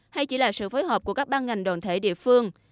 hay chỉ là sự phối hợp của các ban ngành đoàn thể địa phương